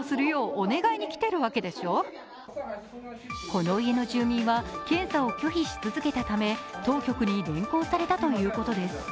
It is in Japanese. この家の住民は検査を拒否し続けたため当局に連行されたということです。